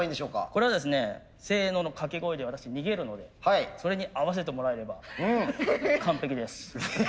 これはですね「せの」の掛け声で私逃げるのでそれに合わせてもらえれば完璧です。